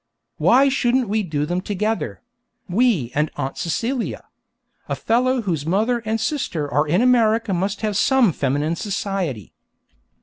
Why shouldn't we do them together we and Aunt Celia? A fellow whose mother and sister are in America must have some feminine society!